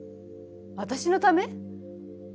私のため？